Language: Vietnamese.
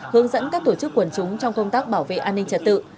hướng dẫn các tổ chức quần chúng trong công tác bảo vệ an ninh trật tự